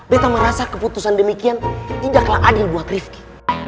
saya merasa keputusan demikian tidaklah adil buat rifqi